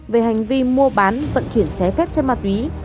về hành vi mua bán vận chuyển ché phép cho ma túy